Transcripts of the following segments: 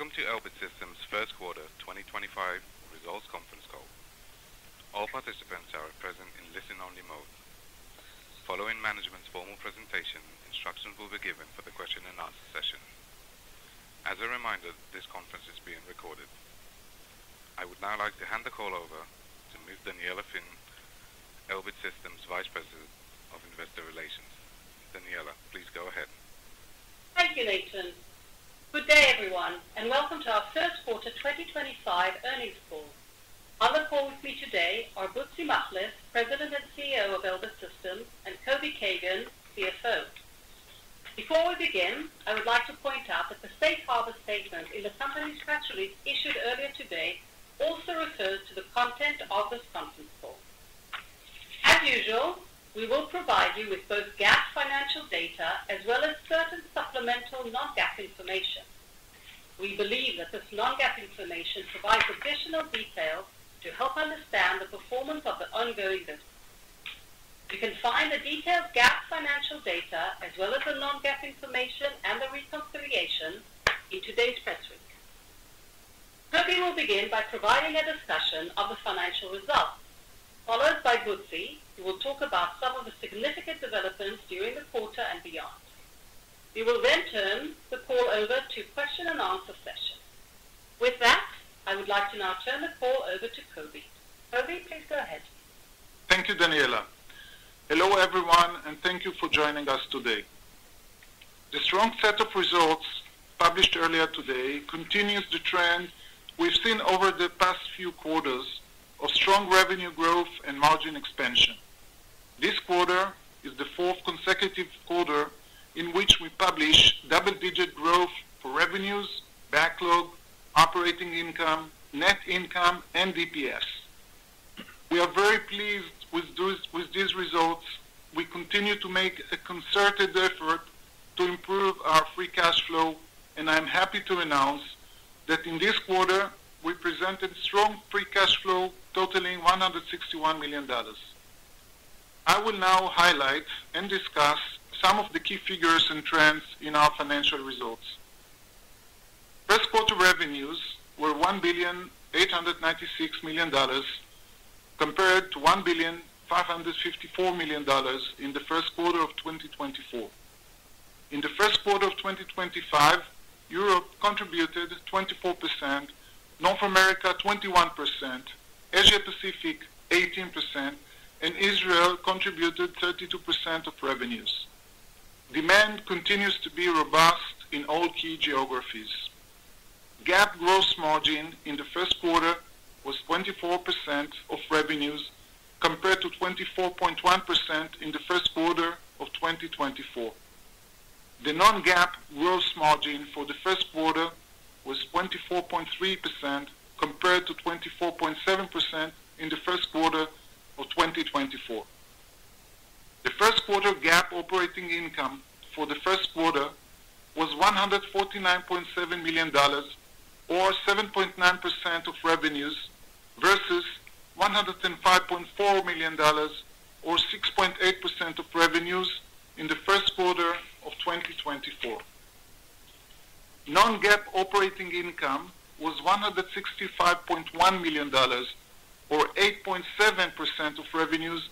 Ladies and gentlemen, thank you for standing by. Welcome to Elbit Systems' first quarter 2025 results conference call. All participants are at present in listen-only mode. Following management's formal presentation, instructions will be given for the question-and-answer session. As a reminder, this conference is being recorded. I would now like to hand the call over to Ms. Daniella Finn, Elbit Systems Vice President of Investor Relations. Daniella, please go ahead. Thank you, Nathan. Good day, everyone, and welcome to our first quarter 2025 earnings call. On the call with me today are Butzi Machlis, President and CEO of Elbit Systems, and Kobi Kagan, CFO. Before we begin, I would like to point out that the safe harbor statement in the company's filings issued earlier today also refers to the content of this conference call. As usual, we will provide you with both GAAP financial data as well as certain supplemental non-GAAP information. We believe that this non-GAAP information provides additional details to help understand the performance of the ongoing business. You can find the detailed GAAP financial data as well as the non-GAAP information and the reconciliation in today's press release. Kobi will begin by providing a discussion of the financial results, followed by Butzi, who will talk about some of the significant developments during the quarter and beyond. We will then turn the call over to question-and-answer session. With that, I would like to now turn the call over to Kobi. Kobi, please go ahead. Thank you, Daniella. Hello, everyone, and thank you for joining us today. The strong set of results published earlier today continues the trend we've seen over the past few quarters of strong revenue growth and margin expansion. This quarter is the fourth consecutive quarter in which we publish double-digit growth for revenues, backlog, operating income, net income, and EPS. We are very pleased with these results. We continue to make a concerted effort to improve our free cash flow, and I'm happy to announce that in this quarter, we presented strong free cash flow totaling $161 million. I will now highlight and discuss some of the key figures and trends in our financial results. First quarter revenues were $1,896,000,000 compared to $1,554,000,000 in the first quarter of 2024. In the first quarter of 2025, Europe contributed 24%, North America 21%, Asia-Pacific 18%, and Israel contributed 32% of revenues. Demand continues to be robust in all key geographies. GAAP gross margin in the first quarter was 24% of revenues compared to 24.1% in the first quarter of 2024. The non-GAAP gross margin for the first quarter was 24.3% compared to 24.7% in the first quarter of 2024. The first quarter GAAP operating income for the first quarter was $149.7 million, or 7.9% of revenues, versus $105.4 million, or 6.8% of revenues in the first quarter of 2024. Non-GAAP operating income was $165.1 million, or 8.7% of revenues,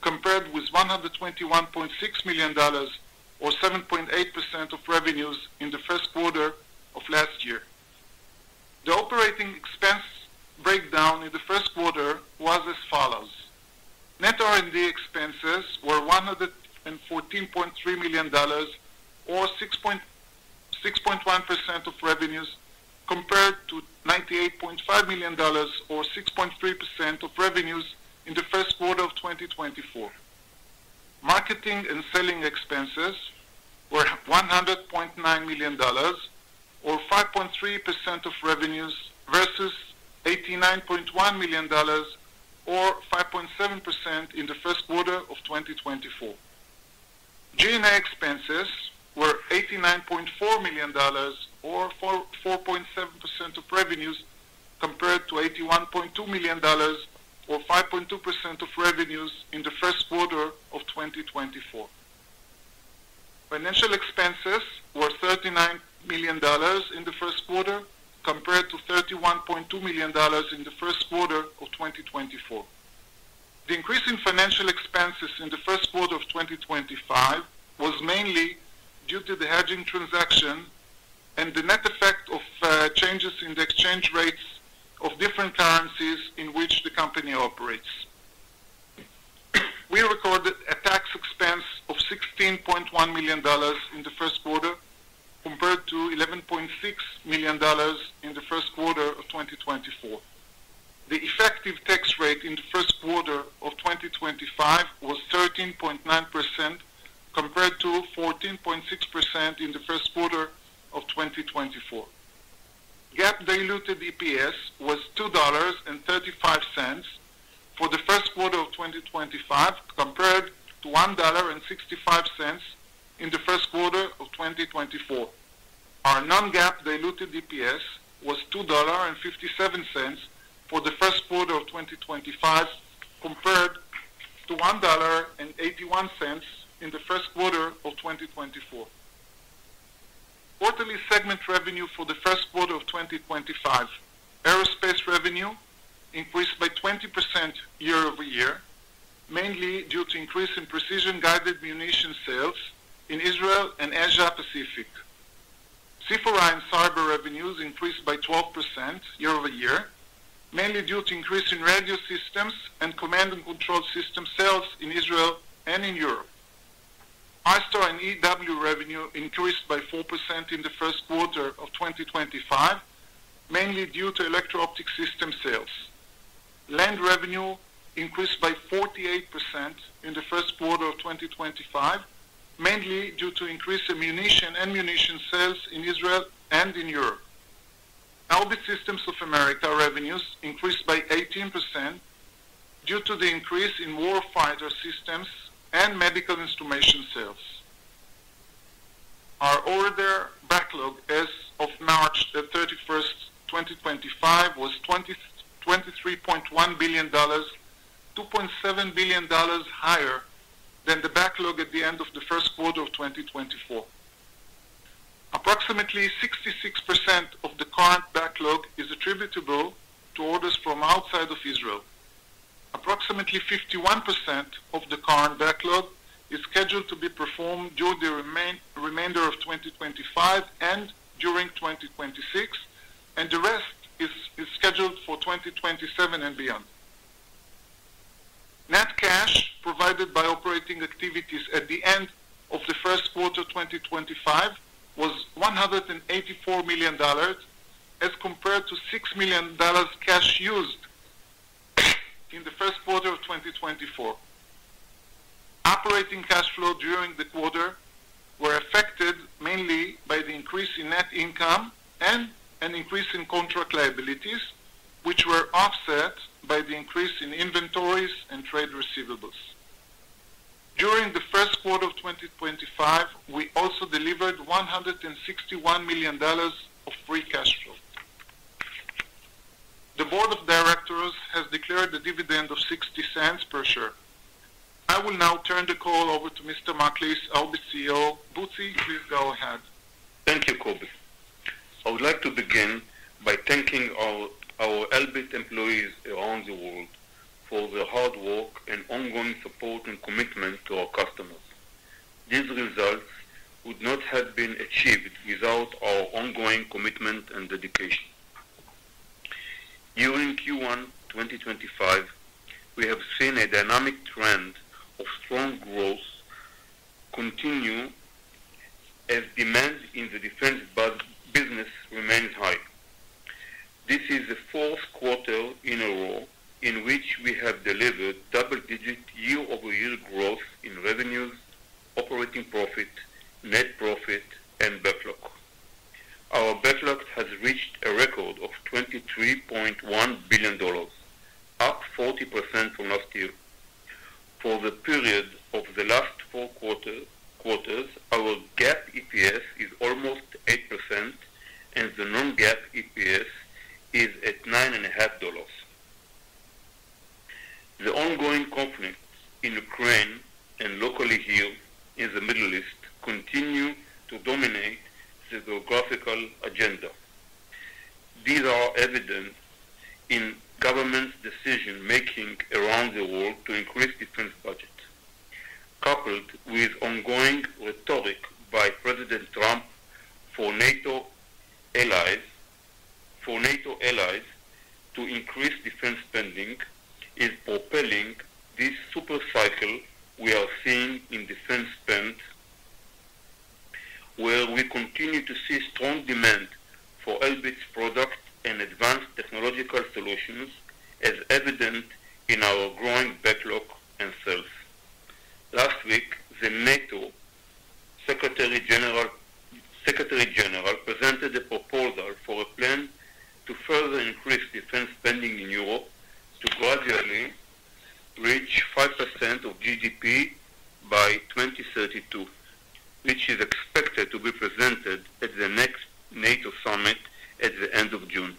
compared with $121.6 million, or 7.8% of revenues in the first quarter of last year. The operating expense breakdown in the first quarter was as follows. Net R&D expenses were $114.3 million, or 6.1% of revenues, compared to $98.5 million, or 6.3% of revenues in the first quarter of 2024. Marketing and selling expenses were $100.9 million, or 5.3% of revenues, versus $89.1 million, or 5.7% in the first quarter of 2024. G&A expenses were $89.4 million, or 4.7% of revenues, compared to $81.2 million, or 5.2% of revenues in the first quarter of 2024. Financial expenses were $39 million in the first quarter, compared to $31.2 million in the first quarter of 2024. The increase in financial expenses in the first quarter of 2025 was mainly due to the hedging transaction and the net effect of changes in the exchange rates of different currencies in which the company operates. We recorded a tax expense of $16.1 million in the first quarter, compared to $11.6 million in the first quarter of 2024. The effective tax rate in the first quarter of 2025 was 13.9%, compared to 14.6% in the first quarter of 2024. GAAP diluted EPS was $2.35 for the first quarter of 2025, compared to $1.65 in the first quarter of 2024. Our non-GAAP diluted EPS was $2.57 for the first quarter of 2025, compared to $1.81 in the first quarter of 2024. Quarterly segment revenue for the first quarter of 2025: aerospace revenue increased by 20% year-over-year, mainly due to increase in precision-guided munitions sales in Israel and Asia-Pacific. C4I and cyber revenues increased by 12% year-over-year, mainly due to increase in radio systems and command and control system sales in Israel and in Europe. ISTAR and EW revenue increased by 4% in the first quarter of 2025, mainly due to electro-optic system sales. Land revenue increased by 48% in the first quarter of 2025, mainly due to increase in munition and munitions sales in Israel and in Europe. Elbit Systems of America revenues increased by 18% due to the increase in warfighter systems and medical instrumentation sales. Our order backlog as of March 31, 2025, was $23.1 billion, $2.7 billion higher than the backlog at the end of the first quarter of 2024. Approximately 66% of the current backlog is attributable to orders from outside of Israel. Approximately 51% of the current backlog is scheduled to be performed during the remainder of 2025 and during 2026, and the rest is scheduled for 2027 and beyond. Net cash provided by operating activities at the end of the first quarter of 2025 was $184 million, as compared to $6 million cash used in the first quarter of 2024. Operating cash flow during the quarter were affected mainly by the increase in net income and an increase in contract liabilities, which were offset by the increase in inventories and trade receivables. During the first quarter of 2025, we also delivered $161 million of Free Cash Flow. The Board of Directors has declared a dividend of $0.60 per share. I will now turn the call over to Mr. Machlis, Elbit CEO. Butzi, please go ahead. Thank you, Kobi. I would like to begin by thanking our Elbit employees around the world for the hard work and ongoing support and commitment to our customers. These results would not have been achieved without our ongoing commitment and dedication. During Q1 2025, we have seen a dynamic trend of strong growth continue as demand in the defense business remains high. This is the fourth quarter in a row in which we have delivered double-digit year-over-year growth in revenues, operating profit, net profit, and backlog. Our backlog has reached a record of $23.1 billion, up 40% from last year. For the period of the last four quarters, our GAAP EPS is almost 8%, and the non-GAAP EPS is at $9.50. The ongoing conflicts in Ukraine and locally here in the Middle East continue to dominate the geographical agenda. These are evident in governments' decision-making around the world to increase defense budgets. Coupled with ongoing rhetoric by President Trump for NATO allies to increase defense spending is propelling this supercycle we are seeing in defense spend, where we continue to see strong demand for Elbit's products and advanced technological solutions, as evident in our growing backlog and sales. Last week, the NATO Secretary General presented a proposal for a plan to further increase defense spending in Europe to gradually reach 5% of GDP by 2032, which is expected to be presented at the next NATO summit at the end of June.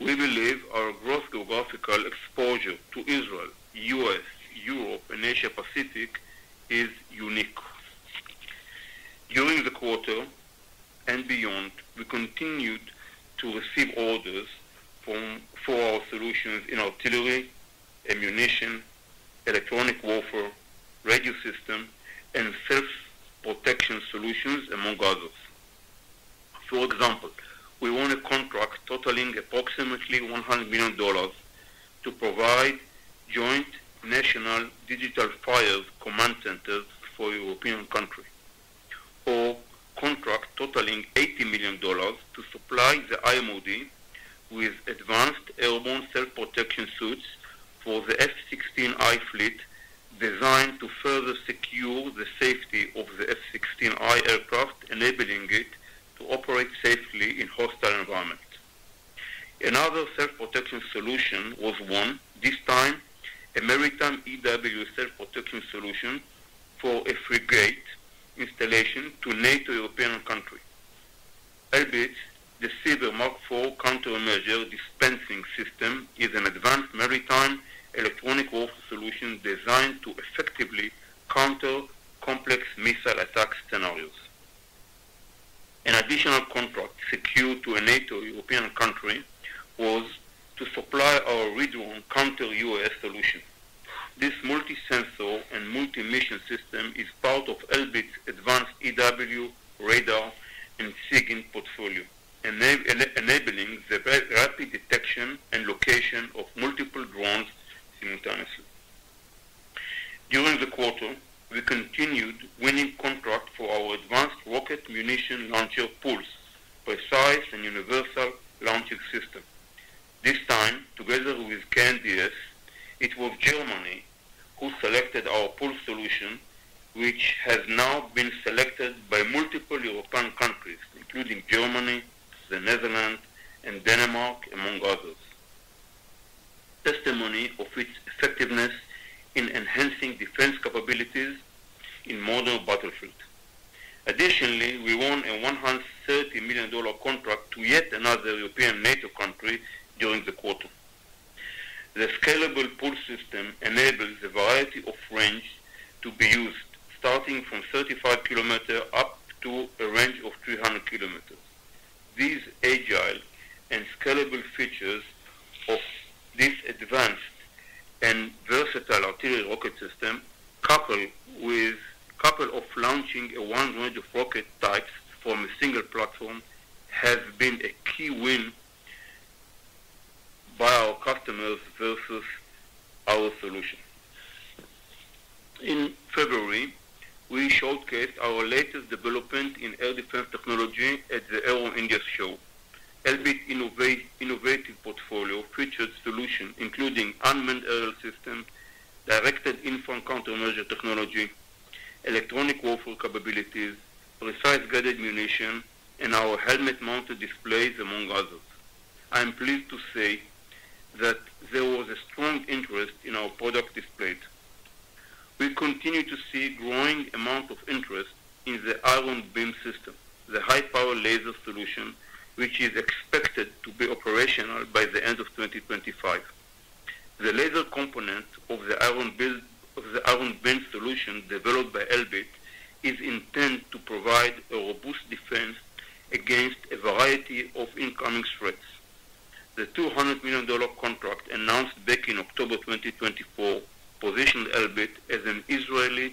We believe our growth geographical exposure to Israel, the U.S., Europe, and Asia-Pacific is unique. During the quarter and beyond, we continued to receive orders for our solutions in artillery, ammunition, Electronic Warfare, radio systems, and self-protection solutions, among others. For example, we won a contract totaling approximately $100 million to provide joint national digital fire command centers for European countries, or a contract totaling $80 million to supply the IMOD with advanced Airborne Self-Protection suites for the F-16I fleet designed to further secure the safety of the F-16I aircraft, enabling it to operate safely in hostile environments. Another Self-Protection solution was won, this time a maritime EW Self-Protection solution for a frigate installation to a NATO European country. Elbit's DESEAVER MK-4 Countermeasure Dispensing System is an advanced maritime Electronic Warfare solution designed to effectively counter complex missile attack scenarios. An additional contract secured to a NATO European country was to supply our ReDrone counter-UAS solution. This multi-sensor and multi-mission system is part of Elbit's advanced EW, radar, and SIGINT portfolio, enabling the rapid detection and location of multiple drones simultaneously. During the quarter, we continued winning contracts for our Advanced Rocket Munition Launcher PULS, Precise and Universal Launching System. This time, together with KNDS, it was Germany who selected our PULS solution, which has now been selected by multiple European countries, including Germany, the Netherlands, and Denmark, among others, testimony of its effectiveness in enhancing defense capabilities in modern battlefield. Additionally, we won a $130 million contract to yet another European NATO country during the quarter. The scalable PULS system enables a variety of range to be used, starting from 35 KM up to a range of 300 KM. These agile and scalable features of this advanced and versatile artillery rocket system, coupled with launching a wide range of rocket types from a single platform, have been a key win by our customers versus our solution. In February, we showcased our latest development in air defense technology at the Aero India show. Elbit's innovative portfolio featured solutions including Unmanned Aerial Systems, Directed Infrastructure Countermeasure technology, Electronic Warfare capabilities, Precise Guided Munitions, and our Helmet Mounted Displays, among others. I am pleased to say that there was a strong interest in our product displayed. We continue to see a growing amount of interest in the Iron Beam system, the High-Power Laser solution, which is expected to be operational by the end of 2025. The Laser component of the Iron Beam solution developed by Elbit is intended to provide a robust defense against a variety of incoming threats. The $200 million contract announced back in October 2024 positioned Elbit as an Israel's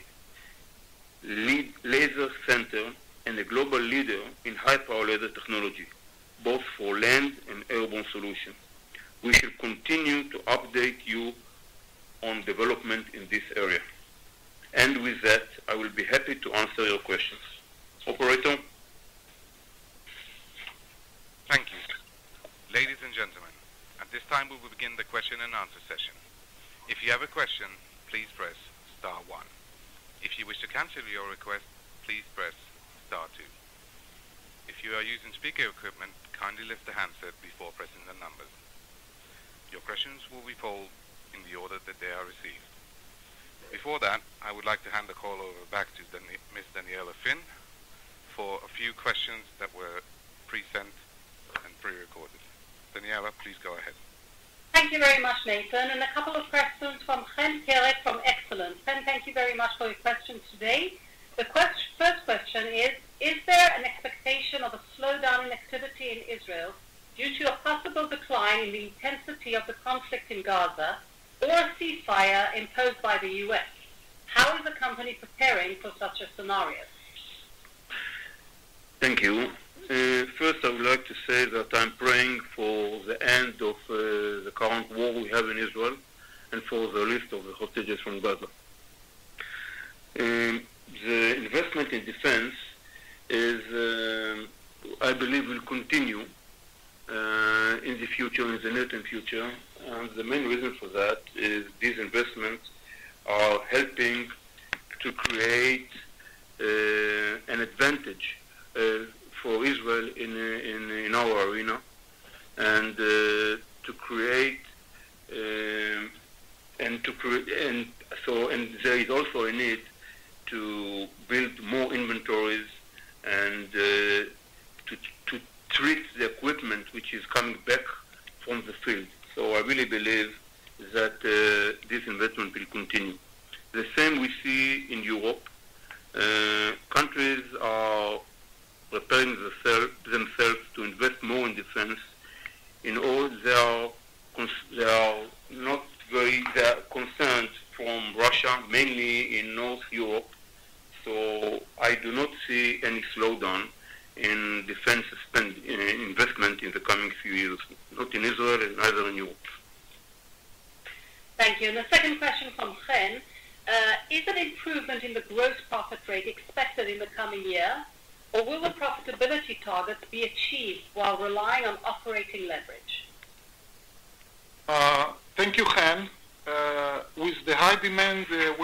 Laser Center and a global leader in high-power laser technology, both for land and airborne solutions. We should continue to update you on development in this area. With that, I will be happy to answer your questions. Operator. Thank you. Ladies and gentlemen, at this time, we will begin the question and answer session. If you have a question, please press star one. If you wish to cancel your request, please press star two. If you are using speaker equipment, kindly lift the handset before pressing the numbers. Your questions will be polled in the order that they are received. Before that, I would like to hand the call over back to Ms. Daniella Finn for a few questions that were pre-sent and pre-recorded. Daniella, please go ahead. Thank you very much, Nathan. A couple of questions from Chen Pierrette from Excellence. Chen, thank you very much for your question today. The first question is, is there an expectation of a slowdown in activity in Israel due to a possible decline in the intensity of the conflict in Gaza or a ceasefire imposed by the U.S.? How is the company preparing for such a scenario? Thank you. First, I would like to say that I'm praying for the end of the current war we have in Israel and for the release of the hostages from Gaza. The investment in defense, I believe, will continue in the future, in the near term future. The main reason for that is these investments are helping to create an advantage for Israel in our arena and to create, and there is also a need to build more inventories and to treat the equipment which is coming back from the field. I really believe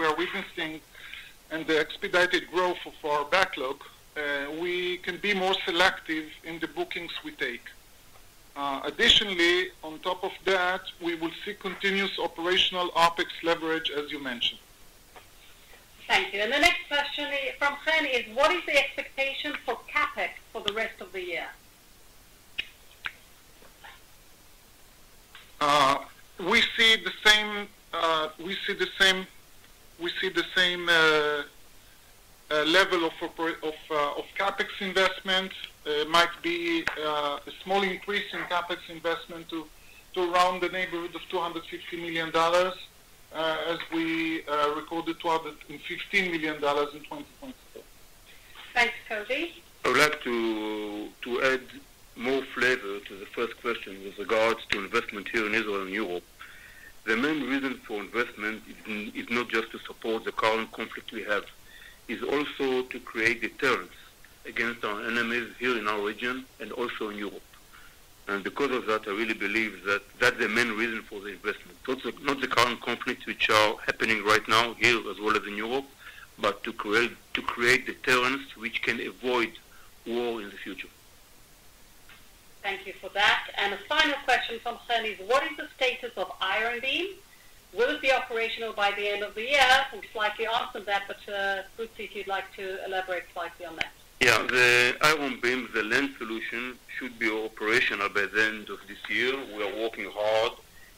that this investment will continue. The same we see in Europe. Countries are preparing themselves to invest more in defense. In all, they are not very concerned from Russia, mainly in North Europe. I do not see any slowdown in defense investment in the coming few years, not in Israel and neither in Europe. Thank you. The second question from Chen, is an improvement in the gross profit rate expected in the coming year, or will the profitability targets be achieved while relying on operating leverage? Thank you, Chen. With the high demand we are witnessing and the expedited growth of our backlog, we can be more selective in the bookings we take. Additionally, on top of that, we will see continuous operational OpEx leverage, as you mentioned. Thank you. The next question from Chen is, what is the expectation for CapEx for the rest of the year? We see the same level of CapEx investment. It might be a small increase in CapEx investment to around the neighborhood of $250 million, as we recorded in $215 million in 2024. Thanks, Kobi. I would like to add more flavor to the first question with regards to investment here in Israel and Europe. The main reason for investment is not just to support the current conflict we have. It's also to create deterrence against our enemies here in our region and also in Europe. Because of that, I really believe that that's the main reason for the investment, not the current conflicts which are happening right now here, as well as in Europe, but to create deterrence which can avoid war in the future. Thank you for that. A final question from Chen is, what is the status of Iron Beam? Will it be operational by the end of the year? We've slightly answered that, but Butzi, if you'd like to elaborate slightly on that. Yeah. The Iron Beam, the land solution, should be operational by the end of this year. We are working hard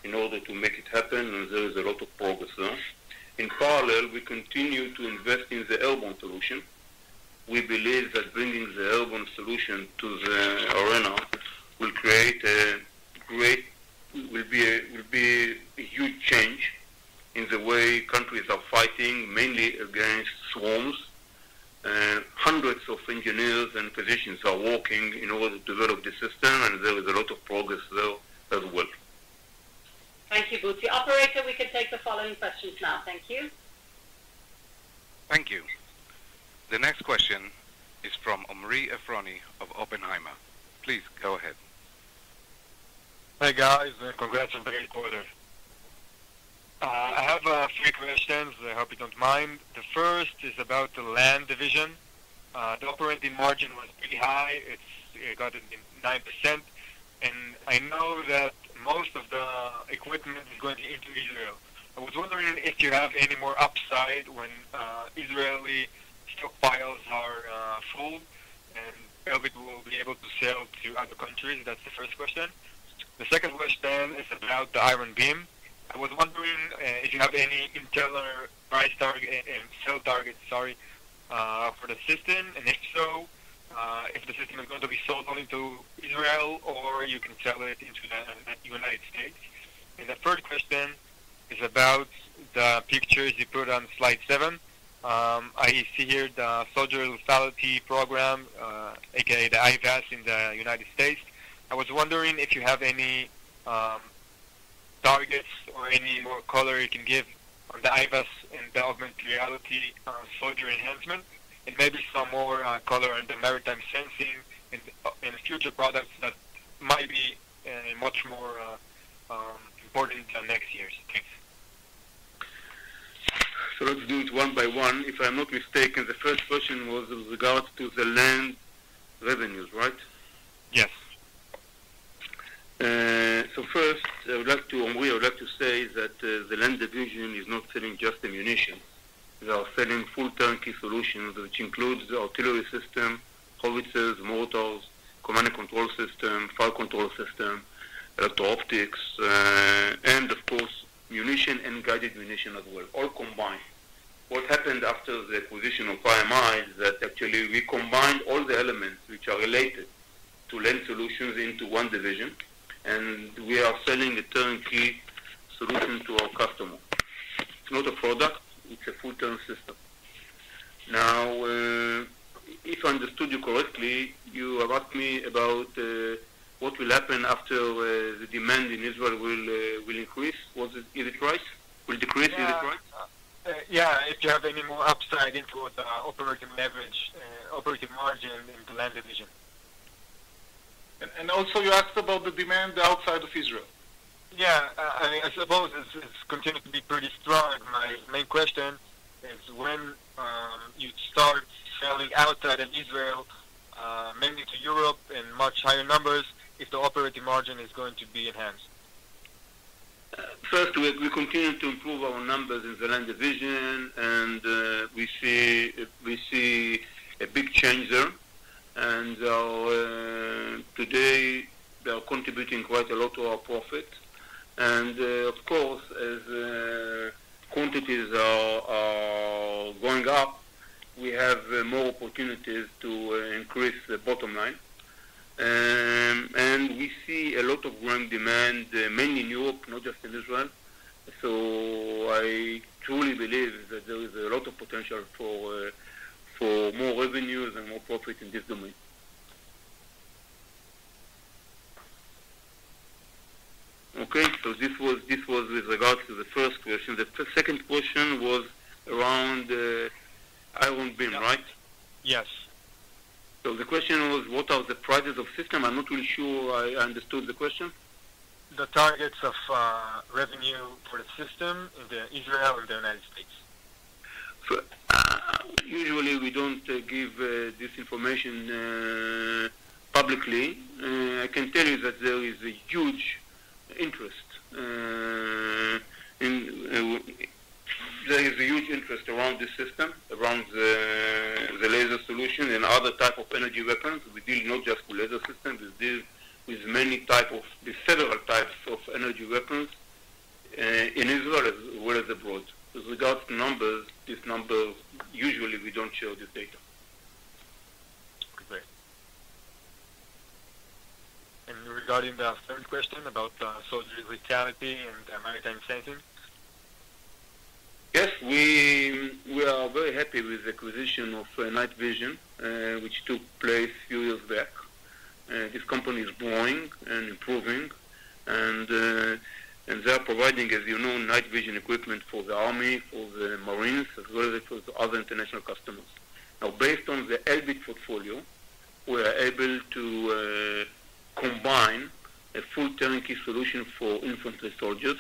in order to make it happen, and there is a lot of progress there. In parallel, we continue to invest in the airborne solution. We believe that bringing the airborne solution to the arena will create a great, will be a huge change in the way countries are fighting, mainly against swarms. Hundreds of engineers and physicists are working in order to develop the system, and there is a lot of progress there as well. Thank you, Bush. Operator, we can take the following questions now. Thank you. Thank you. The next question is from Omri Efroni of Oppenheimer. Please go ahead. Hi guys. Congratulations for the recorder. I have a few questions, hope you don't mind. The first is about the land division. The operating margin was pretty high. It got 9%. I know that most of the equipment is going into Israel. I was wondering if you have any more upside when Israeli stockpiles are full and Elbit will be able to sell to other countries. That's the first question. The second question is about the Iron Beam. I was wondering if you have any internal price target and sale target, sorry, for the system. If so, if the system is going to be sold only to Israel or you can sell it into the United States. The third question is about the pictures you put on slide seven. I see here the soldier lethality program, aka the IVAS in the United States. I was wondering if you have any targets or any more color you can give on the IVAS and the Augmented Reality Soldier Enhancement and maybe some more color on the maritime sensing and future products that might be much more important next year. Let's do it one by one. If I'm not mistaken, the first question was with regards to the land revenues, right? Yes. First, I would like to, Omri, I would like to say that the land division is not selling just the munitions. They are selling full-term solutions, which includes artillery systems, howitzers, mortars, command and control system, fire control system, electro-optics, and of course, munition and guided munition as well, all combined. What happened after the acquisition of IMI is that actually we combined all the elements which are related to land solutions into one division, and we are selling the turnkey solution to our customers. It's not a product. It's a full-term system. Now, if I understood you correctly, you asked me about what will happen after the demand in Israel will increase. Is it price? Will it decrease? Yeah. If you have any more upside into the operating leverage, operating margin in the land division. You asked about the demand outside of Israel. Yeah. I mean, I suppose it's continued to be pretty strong. My main question is when you start selling outside of Israel, mainly to Europe and much higher numbers, if the operating margin is going to be enhanced. First, we continue to improve our numbers in the land division, and we see a big change there. They are contributing quite a lot to our profit. Of course, as quantities are going up, we have more opportunities to increase the bottom line. We see a lot of growing demand, mainly in Europe, not just in Israel. I truly believe that there is a lot of potential for more revenues and more profit in this domain. Okay. This was with regards to the first question. The second question was around Iron Beam, right? Yes. The question was, what are the prices of system? I'm not really sure I understood the question. The targets of revenue for the system in Israel and the United States. Usually, we don't give this information publicly. I can tell you that there is a huge interest. There is a huge interest around this system, around the laser solution and other types of energy weapons. We deal not just with laser systems. We deal with many types of several types of energy weapons in Israel as well as abroad. With regards to numbers, these numbers, usually we don't share this data. Great. Regarding the third question about the soldier lethality and the maritime sensing? Yes. We are very happy with the acquisition of Night Vision, which took place a few years back. This company is growing and improving. They are providing, as you know, Night Vision equipment for the army, for the marines, as well as for other international customers. Now, based on the Elbit portfolio, we are able to combine a full-term solution for infantry soldiers.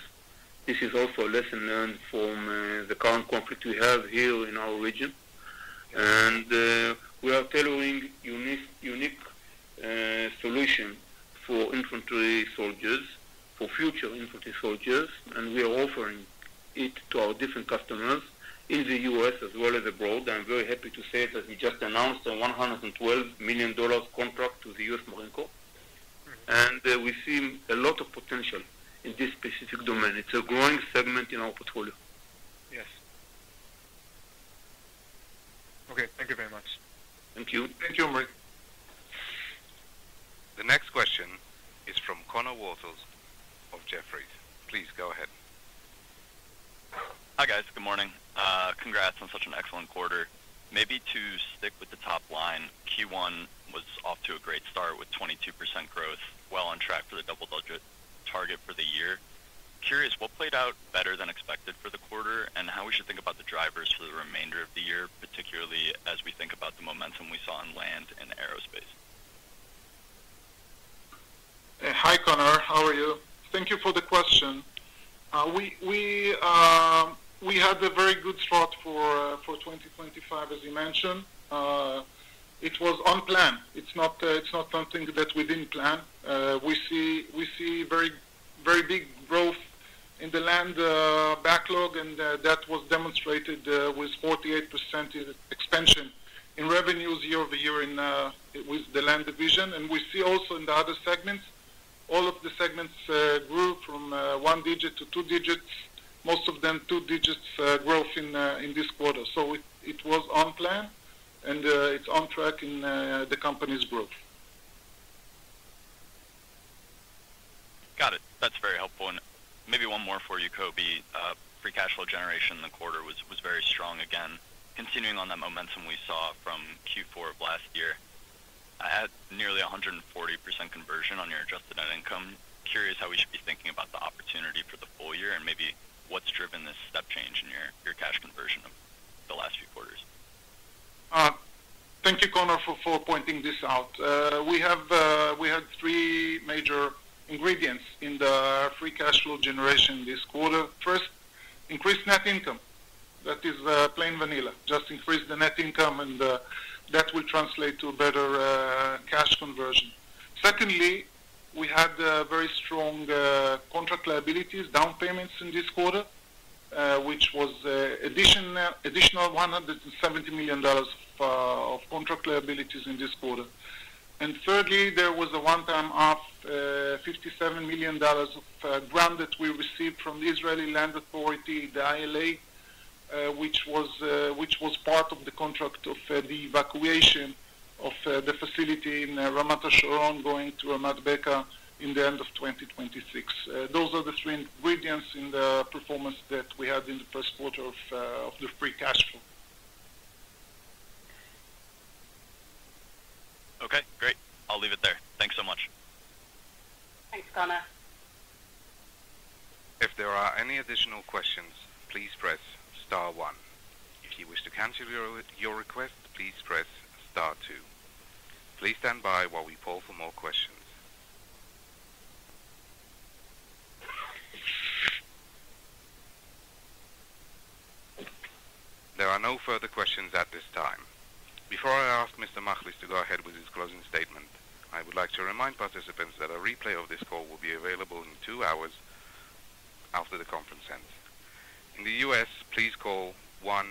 This is also a lesson learned from the current conflict we have here in our region. We are tailoring a unique solution for infantry soldiers, for future infantry soldiers. We are offering it to our different customers in the U.S. as well as abroad. I'm very happy to say that we just announced a $112 million contract to the U.S. Marine Corps. We see a lot of potential in this specific domain. It's a growing segment in our portfolio. Yes. Okay. Thank you very much. Thank you. Thank you, Omri. The next question is from Conor Walters of Jefferies. Please go ahead. Hi guys. Good morning. Congrats on such an excellent quarter. Maybe to stick with the top line, Q1 was off to a great start with 22% growth, well on track for the double-digit target for the year. Curious, what played out better than expected for the quarter and how we should think about the drivers for the remainder of the year, particularly as we think about the momentum we saw in land and aerospace? Hi, Conor. How are you? Thank you for the question. We had a very good start for 2025, as you mentioned. It was unplanned. It's not something that we didn't plan. We see very big growth in the land backlog, and that was demonstrated with 48% expansion in revenues year-over-year with the land division. We see also in the other segments, all of the segments grew from one digit to two digits, most of them two digits growth in this quarter. It was unplanned, and it's on track in the company's growth. Got it. That's very helpful. Maybe one more for you, Kobi. Free Cash Flow generation in the quarter was very strong again, continuing on that momentum we saw from Q4 of last year. I had nearly 140% conversion on your adjusted net income. Curious how we should be thinking about the opportunity for the full year and maybe what's driven this step change in your cash conversion of the last few quarters. Thank you, Conor, for pointing this out. We had three major ingredients in the Free Cash Flow generation this quarter. First, increased net income. That is plain vanilla. Just increased the net income, and that will translate to better cash conversion. Secondly, we had very strong contract liabilities, down payments in this quarter, which was an additional $170 million of contract liabilities in this quarter. Thirdly, there was a one-time of $57 million of grant that we received from the Israeli Land Authority, the ILA, which was part of the contract of the evacuation of the facility in Ramat HaSharon going to Ramat Beka in the end of 2026. Those are the three ingredients in the performance that we had in the first quarter of the Free Cash Flow. Okay. Great. I'll leave it there. Thanks so much. Thanks, Conor. If there are any additional questions, please press star one. If you wish to cancel your request, please press star two. Please stand by while we poll for more questions. There are no further questions at this time. Before I ask Mr. Machlis to go ahead with his closing statement, I would like to remind participants that a replay of this call will be available in two hours after the conference ends. In the U.S., please call 1-888-782-4291.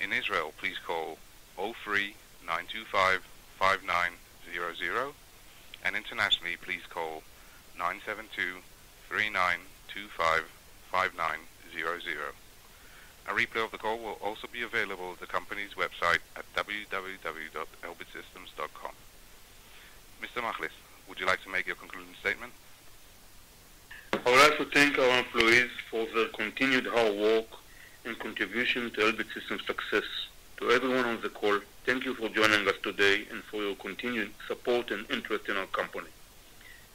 In Israel, please call 03-925-5900. Internationally, please call 972-392-55900. A replay of the call will also be available at the company's website at www.elbitsystems.com. Mr. Machlis, would you like to make your concluding statement? I would like to thank our employees for their continued hard work and contribution to Elbit Systems' success. To everyone on the call, thank you for joining us today and for your continued support and interest in our company.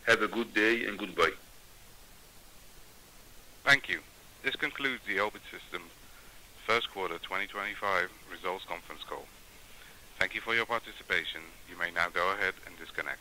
Have a good day and goodbye. Thank you. This concludes the Elbit Systems first quarter 2025 results conference call. Thank you for your participation. You may now go ahead and disconnect.